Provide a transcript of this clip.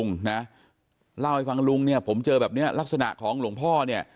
นะเล่าให้ฟังลุงเนี่ยผมเจอแบบเนี้ยลักษณะของหลวงพ่อเนี่ย